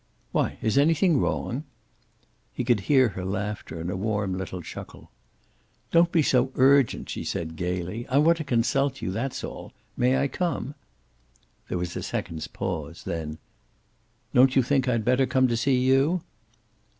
"Why, is anything wrong?" He could hear her laughter, a warm little chuckle. "Don't be so urgent," she said gayly. "I want to consult you. That's all. May I come?" There was a second's pause. Then, "Don't you think I'd better come to see you?"